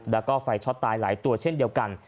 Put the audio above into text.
แล้วก็ไฟช็อตตายหลายตัวเช่นเดียวกัน